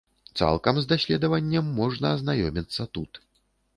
Цалкам з даследаваннем можна азнаёміцца тут.